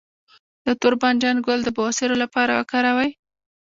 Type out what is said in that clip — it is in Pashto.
د تور بانجان ګل د بواسیر لپاره وکاروئ